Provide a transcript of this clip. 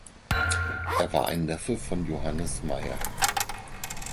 Er war ein Neffe von Johannes Meyer.